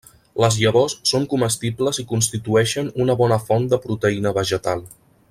Les llavors són comestibles i constitueixen una bona font de proteïna vegetal.